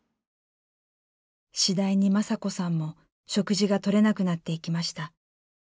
次第に雅子さんも食事がとれなくなっていきました。